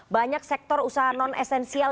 banyak sektor usaha non esensial